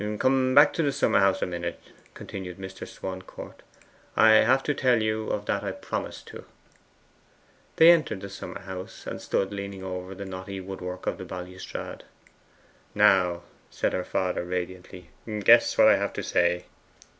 'Come back to the summer house a minute,' continued Mr. Swancourt; 'I have to tell you of that I promised to.' They entered the summer house, and stood leaning over the knotty woodwork of the balustrade. 'Now,' said her father radiantly, 'guess what I have to say.